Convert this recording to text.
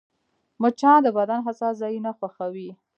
مچان د بدن حساس ځایونه خوښوي